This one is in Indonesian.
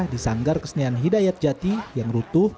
di sanggar kesenian hidayat jati yang rutuh